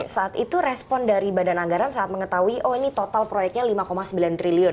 saat itu respon dari badan anggaran saat mengetahui oh ini total proyeknya lima sembilan triliun